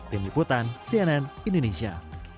demi putan cnn indonesia